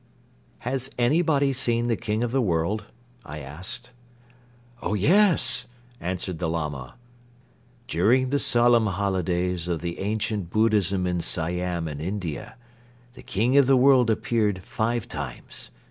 "Has anybody seen the King of the World?" I asked. "Oh, yes!" answered the Lama. "During the solemn holidays of the ancient Buddhism in Siam and India the King of the World appeared five times.